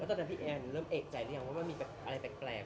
ตอนนั้นพี่แอนเริ่มเอกใจหรือยังว่ามันมีแบบอะไรแปลก